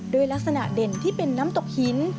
ด้วยลักษณะเด่นที่เป็นน้ำตกหิน